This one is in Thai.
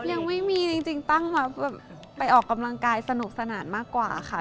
ยังไม่มีจริงตั้งมาเพื่อไปออกกำลังกายสนุกสนานมากกว่าค่ะ